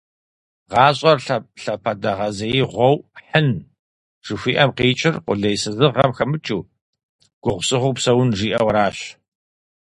«ГъащӀэр лъапэдэгъэзеигъуэу хьын» жыхуиӏэм къикӏыр къулейсызыгъэм хэмыкӀыу, гугъусыгъуу псэун, жиӏэу аращ.